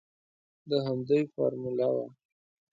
د همدوی فارموله وه.